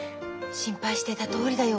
心配してたとおりだよ